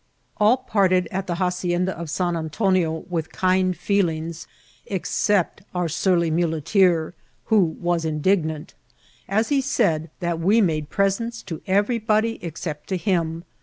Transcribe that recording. All parted at the hacienda of San Antonio witfi kind feelings except our surly muleteer, who was indignant, as he said, that we made presents to everybody except to him.